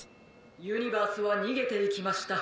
「ユニバースはにげていきました。